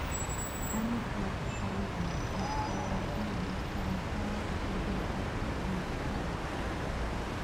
Annie drugged Olivia and stole her baby, telling her the baby had been stillborn.